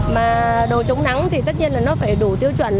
mà đồ chống nắng thì tất nhiên là nó phải đủ tiêu chuẩn